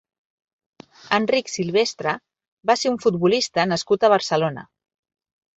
Enric Silvestre va ser un futbolista nascut a Barcelona.